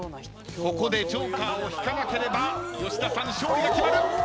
ここでＪＯＫＥＲを引かなければ吉田さん勝利が決まる！